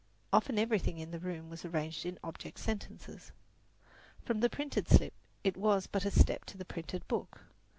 Often everything in the room was arranged in object sentences. From the printed slip it was but a step to the printed book.